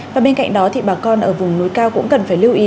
và bên cạnh đó thì bà con ở vùng núi cao cũng cần phải lưu ý